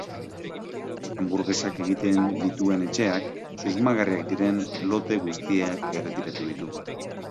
Hanburgesak egiten dituen etxeak, susmagarriak diren lote guztiak erretiratu ditu.